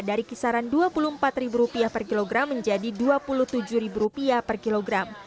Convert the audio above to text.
dari kisaran rp dua puluh empat per kilogram menjadi rp dua puluh tujuh per kilogram